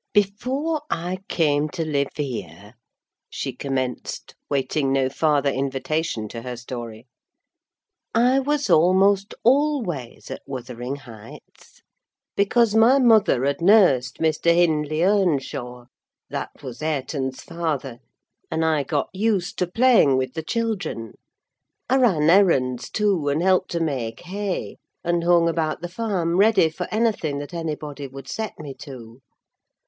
Before I came to live here, she commenced—waiting no farther invitation to her story—I was almost always at Wuthering Heights; because my mother had nursed Mr. Hindley Earnshaw, that was Hareton's father, and I got used to playing with the children: I ran errands too, and helped to make hay, and hung about the farm ready for anything that anybody would set me to.